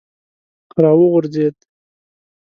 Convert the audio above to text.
را وغورځېد.